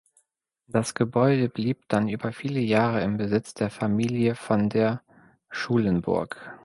Das Gebäude blieb dann über viele Jahre im Besitz der Familie von der Schulenburg.